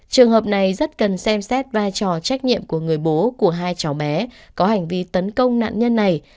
trường hợp này rất cần xem xét vai trò trách nhiệm của người bố của hai cháu bé có hành vi tấn công nạn nhân này